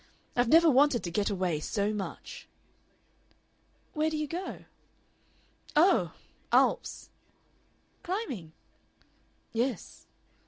I've never wanted to get away so much." "Where do you go?" "Oh! Alps." "Climbing?" "Yes."